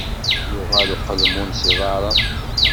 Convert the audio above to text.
Yuɣal uqelmun s iḍaren.